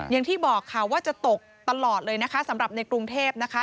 อย่างที่บอกค่ะว่าจะตกตลอดเลยนะคะสำหรับในกรุงเทพนะคะ